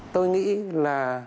tôi nghĩ là